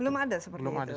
belum ada seperti itu